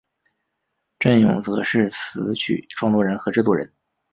振永则是词曲创作人和制作人。